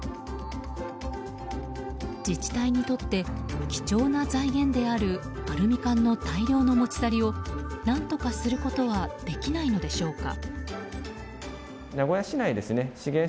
自治体にとって貴重な財源であるアルミ缶の大量の持ち去りを何とかすることはできないのでしょうか。